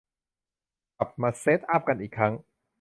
กลับมาเซตอัพกันอีกครั้ง